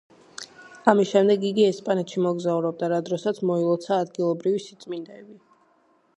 ამის შემდეგ იგი ესპანეთში მოგზაურობდა, რა დროსაც მოილოცა ადგილობრივი სიწმინდეები.